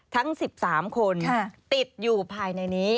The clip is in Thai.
ทั้ง๑๓คนติดอยู่ภายในนี้